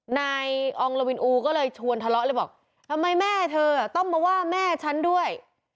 นายอองละวินอูก็เลยชวนทะเลาะเลยบอกทำไมแม่เธอต้องมาว่าแม่ฉันด้วย